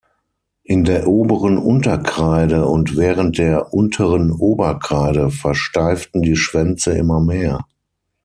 In der oberen Unterkreide und während der unteren Oberkreide versteiften die Schwänze immer mehr.